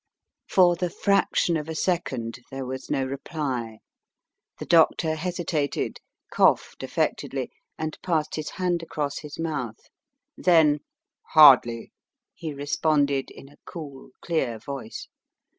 For the fraction of a second there was no reply. The doctor hesitated, coughed affectedly, and passed his hand across his mouth. Then: Hardly," he responded in a cool, clear voice.